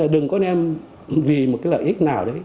đừng có đem vì một cái lợi ích nào đấy